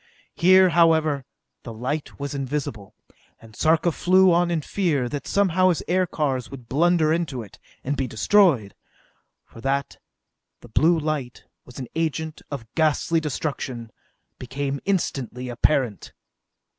Here, however, the light was invisible, and Sarka flew on in fear that somehow his aircars would blunder into it, and be destroyed for that the blue light was an agent of ghastly destruction became instantly apparent.